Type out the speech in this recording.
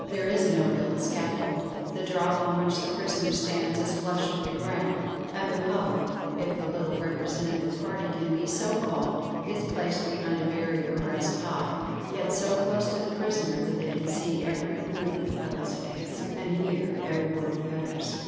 There is no built scaffold; the drop on which the prisoner stands is flush with the ground, and the public (if the little representative party can be so called) is placed behind a barrier breast high, yet so close to the prisoner that they can see every movement of his face, and hear every word he utters.